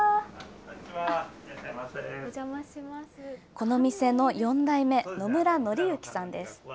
この店の４代目、野村則之さんです。